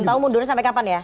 tahu mundurnya sampai kapan ya